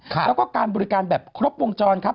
แล้วก็การบริการแบบครบวงจรครับ